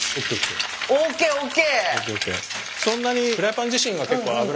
ＯＫＯＫ！